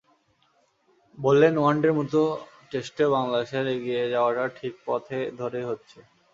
বললেন, ওয়ানডের মতো টেস্টেও বাংলাদেশের এগিয়ে যাওয়াটা ঠিক পথে ধরেই হচ্ছে।